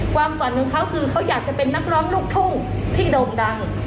ความฝันของเขาคือเขาอยากจะเป็นนักร้องลูกทุ่งที่โด่งดัง